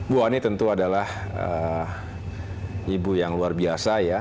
bu ani tentu adalah ibu yang luar biasa ya